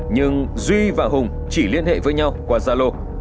nhưng duy và hùng chỉ liên hệ với nhau qua gia lô